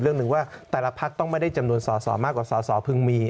หนึ่งว่าแต่ละพักต้องไม่ได้จำนวนสอสอมากกว่าสอสอเพิ่งมี